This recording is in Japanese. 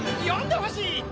よんでほしい。